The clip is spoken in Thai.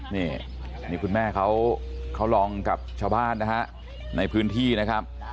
นี่นี่คุณแม่เขาลองกับชาวบ้านนะฮะในพื้นที่นะครับ